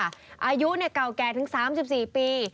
อายุเก่าแก่ถึง๓๔ปี